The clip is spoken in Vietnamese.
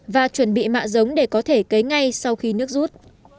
và chuẩn bị mạ giống để có thể cấy ngay sau khi nước rút